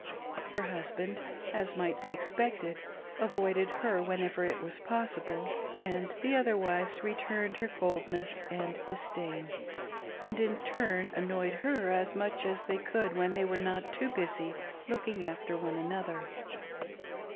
Her husband, as might be expected, avoided her whenever it was possible, and the other wives returned her coldness and disdain, and in turn annoyed her as much as they could when they were not too busy looking after one another.